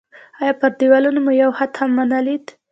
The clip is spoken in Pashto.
ان پر دېوالونو مو یو خط هم ونه لید.